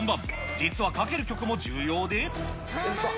実はかける曲も重要で。